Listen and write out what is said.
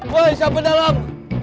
woy sampai dalam